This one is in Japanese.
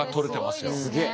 すげえ。